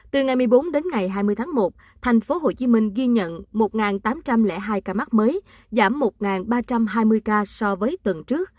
từ ngày một mươi bốn đến ngày hai mươi tháng một tp hcm ghi nhận một tám trăm linh hai ca mắc mới giảm một ba trăm hai mươi ca so với tuần trước